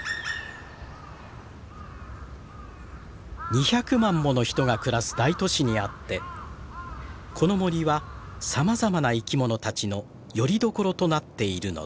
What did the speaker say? ２００万もの人が暮らす大都市にあってこの森はさまざまな生き物たちのよりどころとなっているのです。